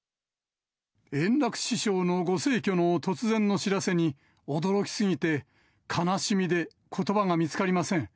円楽師匠のご逝去の突然の知らせに、驚きすぎて、悲しみで、ことばが見つかりません。